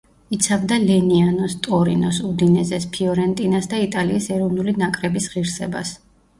იცავდა „ლენიანოს“, „ტორინოს“, „უდინეზეს“, „ფიორენტინას“ და იტალიის ეროვნული ნაკრების ღირსებას.